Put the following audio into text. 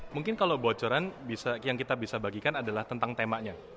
mungkin kalau bocoran yang kita bisa bagikan adalah tentang temanya